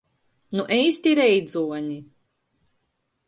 Nu eisti reidzuoni!